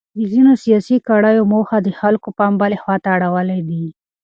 د ځینو سیاسي کړیو موخه د خلکو پام بلې خواته اړول دي.